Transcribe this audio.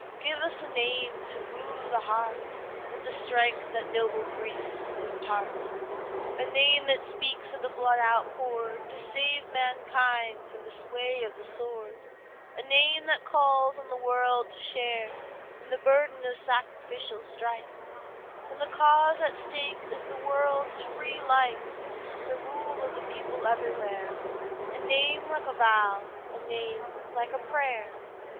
Give us a name to move the heart With the strength that noble griefs impart, A name that speaks of the blood outpoured To save mankind from the sway of the sword, A name that calls on the world to share In the burden of sacrificial strife When the cause at stake is the world's free life And the rule of the people everywhere, A name like a vow, a name like a prayer.